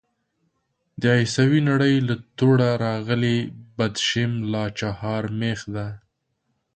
د عيسوي نړۍ له توړه راغلی بدېشم لا چهارمېخ دی.